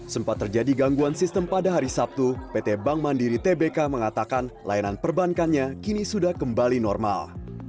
sempat terjadi gangguan sistem pada hari sabtu pt bank mandiri tbk mengatakan layanan perbankannya kini sudah kembali normal